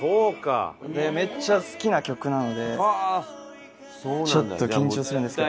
めっちゃ好きな曲なのでちょっと緊張するんですけど。